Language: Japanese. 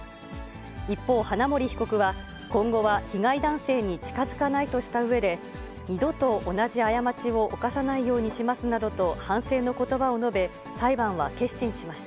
一方、花森被告は、今後は被害男性に近づかないとしたうえで、二度と同じ過ちを犯さないようにしますなどと反省のことばを述べ、裁判は結審しました。